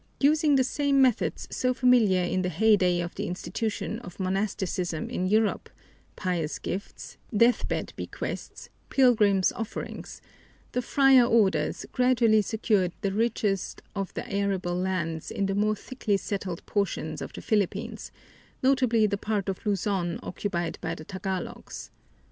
Using the same methods so familiar in the heyday of the institution of monasticism in Europe pious gifts, deathbed bequests, pilgrims' offerings the friar orders gradually secured the richest of the arable lands in the more thickly settled portions of the Philippines, notably the part of Luzon occupied by the Tagalogs.